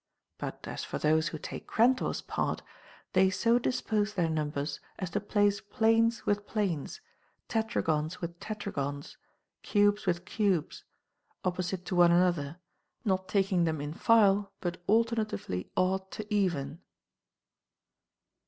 ... But as for those who take Grantor's part, they so dispose their numbers as to place planes with planes, tetragons with tetragons, cubes with cubes, opposite to one another, not taking them in file, but alternatively odd to even.